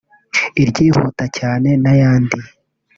iryihuta cyane n’ayandi